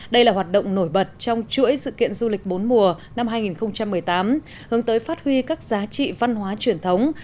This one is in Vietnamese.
đây là hoạt động nổi bật trong chuỗi sự kiện du lịch bốn mùa năm hai nghìn một mươi tám hướng tới phát huy các giá trị văn hóa truyền thống